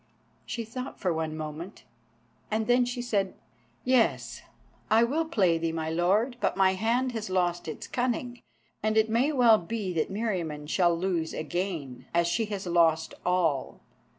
She thought for one moment, and then she said: "Yes, I will play thee, my Lord, but my hand has lost its cunning, and it may well be that Meriamun shall lose again, as she has lost all.